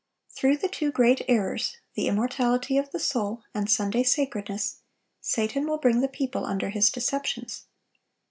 Through the two great errors, the immortality of the soul and Sunday sacredness, Satan will bring the people under his deceptions.